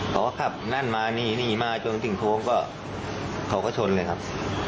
เขาก็ขับนั่นมานี่นี่มาจนถึงโค้งก็เขาก็ชนเลยครับ